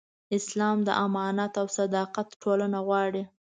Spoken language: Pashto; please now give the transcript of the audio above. اسلام د امانت او صداقت ټولنه غواړي.